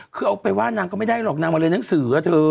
คือเอาไปว่านางก็ไม่ได้หรอกนางมาเรียนหนังสืออะเธอ